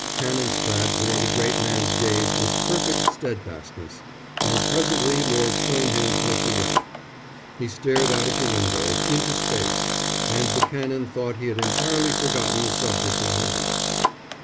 Canon Spratte bore the great man's gaze with perfect steadfastness, and presently Lord Stonehenge looked away. He stared out of the window, into space, and the Canon thought he had entirely forgotten the subject in hand.